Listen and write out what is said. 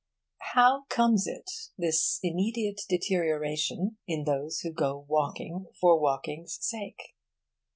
How comes it, this immediate deterioration in those who go walking for walking's sake?